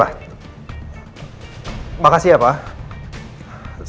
waalaikumsalam warahmatullahi wabarakatuh